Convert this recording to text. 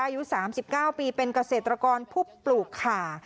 อายุสามสิบเก้าปีเป็นเกษตรกรผู้ปลูกข่า